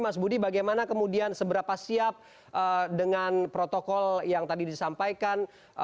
mas budi bagaimana kemudian seberapa siap dengan protokol yang tadi disampaikan